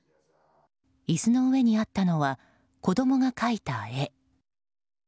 椅子の上にあったのは子供が描いた絵。